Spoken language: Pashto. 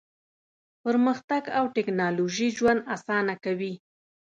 پرمختګ او ټیکنالوژي ژوند اسانه کوي.